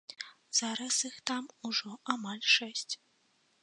Зараз іх там ужо амаль шэсць.